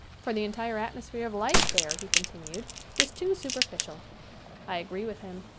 "For the entire atmosphere of life there," he continued, "is too superficial." I agree with him.